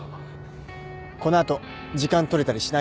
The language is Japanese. この後時間取れたりしないよね？